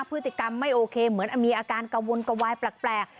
พฤติกรรมไม่โอเคเหมือนมีอาการกระวนกระวายแปลก